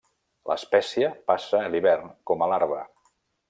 L'espècie passa l'hivern com a larva.